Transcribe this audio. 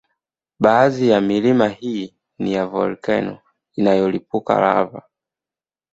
Baadhi ya milima hii ni ya volkano inayolipuka lava